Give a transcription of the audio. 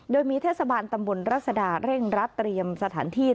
โดยมีเทศบาลตำบลรัศดาเร่งรัดเตรียมสถานที่